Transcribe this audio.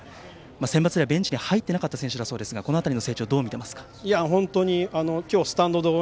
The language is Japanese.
センバツではベンチに入ってなかった選手だそうですがその辺りの成長どう見ていますか？